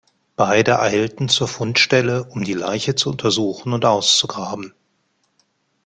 Beide eilten zur Fundstelle, um die Leiche zu untersuchen und auszugraben.